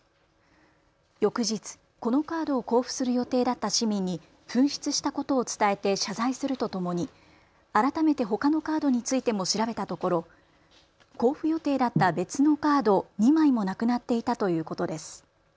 翌日、このカードを交付する予定だった市民に紛失したことを伝えて謝罪するとともに改めてほかのカードについても調べたところ交付予定だった別のカード２枚もなくなっていたということです。